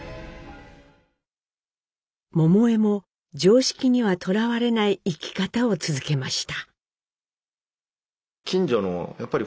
桃枝も常識にはとらわれない生き方を続けました。